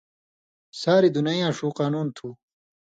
ساریۡ دُنَیں یاں ݜُو قانُون تُھو